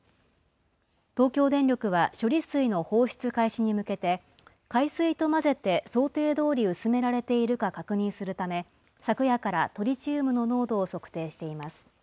東京電力は処理水の放出開始に向けて、海水と混ぜて想定どおり薄められているか確認するため、昨夜からトリチウムの濃度を測定しています。